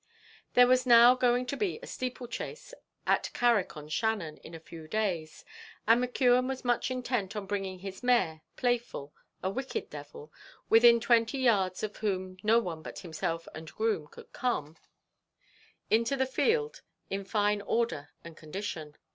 There was now going to be a steeple chase at Carrick on Shannon in a few days, and McKeon was much intent on bringing his mare, Playful, a wicked devil, within twenty yards of whom no one but himself and groom could come, into the field in fine order and condition.